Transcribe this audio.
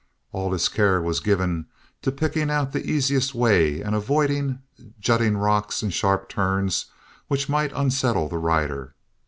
All his care was given to picking out the easiest way, and avoiding jutting rocks and sharp turns which might unsettle the rider.